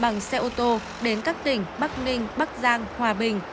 bằng xe ô tô đến các tỉnh bắc ninh bắc giang hòa bình